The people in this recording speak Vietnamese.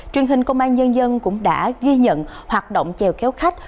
truyền hình công an nhân dân cũng đã ghi nhận hoạt động trèo kéo khách